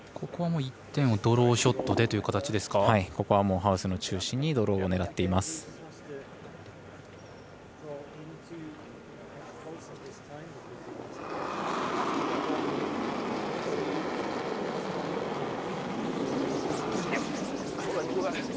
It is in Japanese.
ここは１点をドローショットでという形ですか。